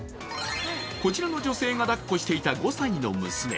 こちらの女性がだっこしていた５歳の娘。